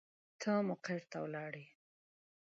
ته مقر ته ولاړې.